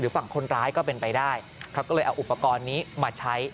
ฝั่งคนร้ายก็เป็นไปได้เขาก็เลยเอาอุปกรณ์นี้มาใช้